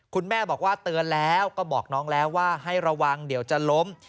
คุณแม่บอกว่าเตือนแล้วก็บอกน้องแล้วว่าให้ระวังเดี๋ยวจะล้ม